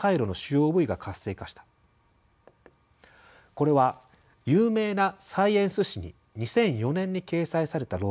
これは有名なサイエンス誌に２００４年に掲載された論文の内容です。